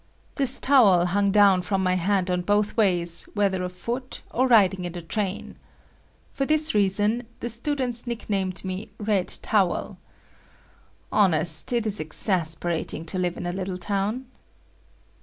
This towel hung down from my hand on both ways whether afoot or riding in the train. For this reason, the students nicknamed me Red Towel. Honest, it is exasperating to live in a little town.